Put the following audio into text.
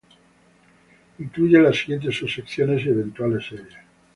Incluye las siguientes subsecciones y eventuales series.